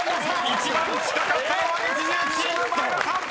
［一番近かったのは月１０チーム前田さん！］